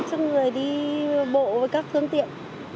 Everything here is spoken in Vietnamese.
cho người đi bộ với các thương tiện